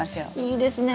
いいですね。